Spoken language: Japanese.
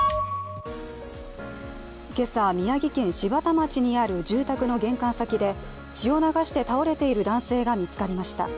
今朝、宮城県柴田町にある住宅の玄関先で血を流して倒れている男性が見つかりました。